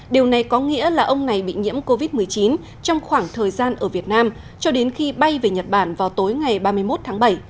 điều này có nghĩa là ông này bị nhiễm covid một mươi chín trong khoảng thời gian ở việt nam cho đến khi bay về nhật bản vào tối ngày ba mươi một tháng bảy